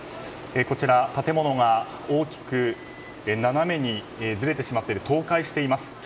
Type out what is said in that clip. こちら、建物が大きく斜めにずれてしまって倒壊しています。